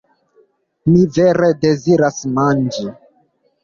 Mi vere deziras manĝi.